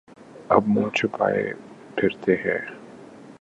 اب منہ چھپائے پھرتے ہیں۔